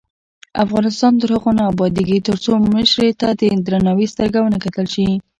افغانستان تر هغو نه ابادیږي، ترڅو مشرې ته د درناوي سترګه ونه کتل شي.